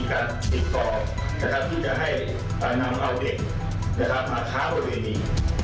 เอกนก็จะชมเพื่อนของลูกสาวว่ารับงานนี้